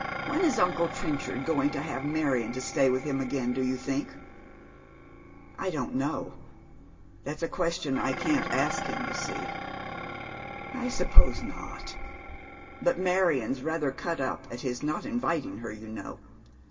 When is uncle Trenchard going to have Clarion to stay with him again, do you think ?"" I don't know. That's a question I can't ask him, you see." " I suppose not ; hut Marion's ratlier cut up at his not inviting her, you know.